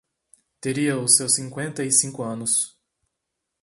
teria os seus cinqüenta e cinco anos.